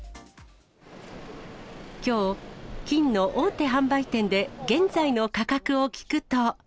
きょう、金の大手販売店で現在の価格を聞くと。